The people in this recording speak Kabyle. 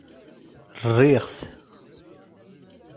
Rriɣ-t.